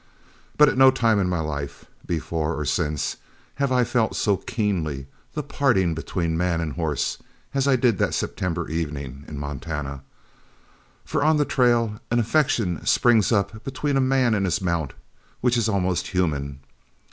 But at no time in my life, before or since, have I felt so keenly the parting between man and horse as I did that September evening in Montana. For on the trail an affection springs up between a man and his mount which is almost human.